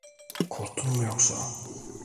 Korktun mu yoksa?